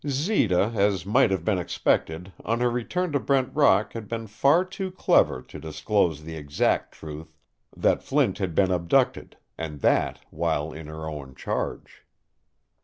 Zita, as might have been expected, on her return to Brent Rock had been far too clever to disclose the exact truth that Flint had been abducted, and that while in her own charge.